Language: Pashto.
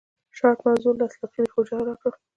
شارپ موضوع له اخلاقي ریښو جلا کړه.